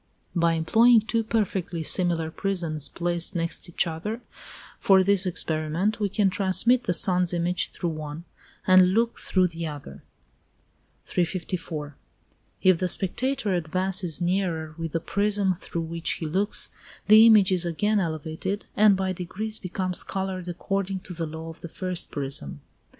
By employing two perfectly similar prisms placed next each other, for this experiment, we can transmit the sun's image through one, and look through the other. 354. If the spectator advances nearer with the prism through which he looks, the image is again elevated, and by degrees becomes coloured according to the law of the first prism.